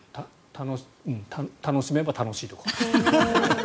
楽しめば楽しいところ。